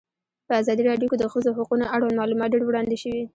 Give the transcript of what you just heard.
په ازادي راډیو کې د د ښځو حقونه اړوند معلومات ډېر وړاندې شوي.